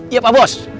iya pak bos